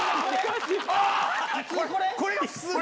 これ。